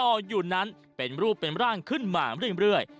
อยู่นั้นเป็นรูปเป็นร่างขึ้นมาเรื่อย